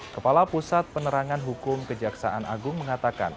kepala pusat penerangan hukum kejaksaan agung mengatakan